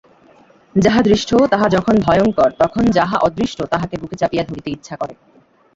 যাহা দৃষ্ট তাহা যখন ভয়ংকর তখন যাহা অদৃষ্ট তাহাকে বুকে চাপিয়া ধরিতে ইচ্ছা করে।